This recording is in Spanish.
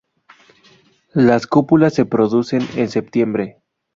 Las cópulas se producen en septiembre.